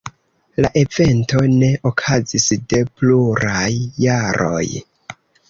La evento ne okazis de pluraj jaroj.